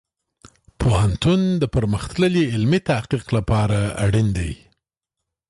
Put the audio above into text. پوهنتون د پرمختللې علمي تحقیق لپاره اړین دی.